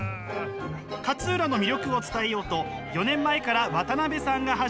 勝浦の魅力を伝えようと４年前から渡辺さんが始めた朝市。